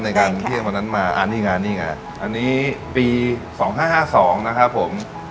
ในการเที่ยงวันนั้นมาอันนี้ไงนี่ไงอันนี้ปี๒๕๕๒นะครับผม